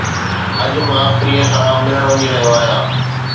اڄ مان پرينءَ سان ملڻ وڃي رھيو آھيان.